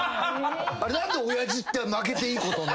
何で親父って負けていいことに。